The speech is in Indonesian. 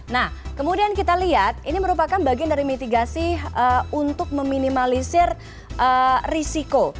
nah kemudian kita lihat ini merupakan bagian dari mitigasi untuk meminimalisir risiko